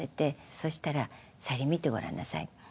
そしたら「さゆり見てご覧なさい。